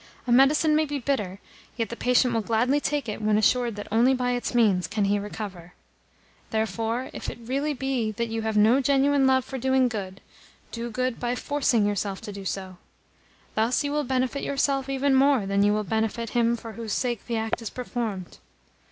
A medicine may be bitter, yet the patient will gladly take it when assured that only by its means can he recover. Therefore, if it really be that you have no genuine love for doing good, do good by FORCING yourself to do so. Thus you will benefit yourself even more than you will benefit him for whose sake the act is performed.